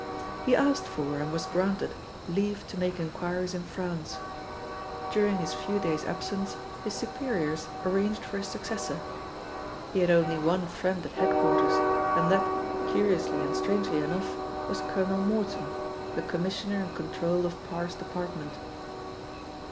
He asked for, and was granted, leave to make enquiries in France. During his few days' absence, his superiors arranged for his successor. He had only one friend at head quarters, and that curiously and strangely enough was Colonel Morton, the Commissioner in control of Parr's department.